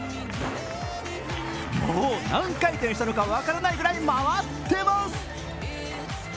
もう何回転したのか分からないぐらい回ってます。